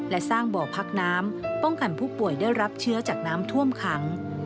และสร้างบ่อพักน้ำป้องกันผู้ป่วยได้รับเชื้อจากน้ำท่วมขัง